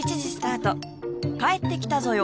『帰ってきたぞよ！